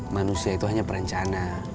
manusia itu hanya perencana